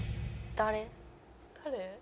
誰？